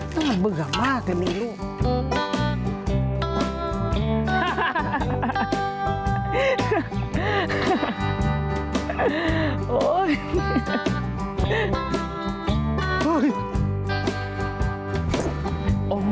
มันเบื่อมากกันนี่ลูก